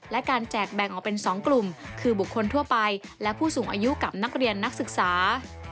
และการแจกแบ่งออกเป็น๒กลุ่มคือบุคคลทั่วไปและผู้สูงอายุกับนักเรียนนักศึกษา